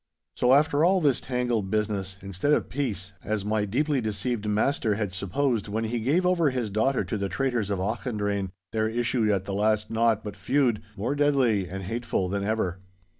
So after all this tangled business, instead of peace, as my deeply deceived master had supposed when he gave over his daughter to the traitors of Auchendrayne, there issued at the last naught but feud, more deadly and hateful than ever.